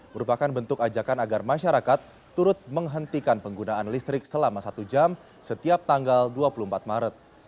merupakan bentuk ajakan agar masyarakat turut menghentikan penggunaan listrik selama satu jam setiap tanggal dua puluh empat maret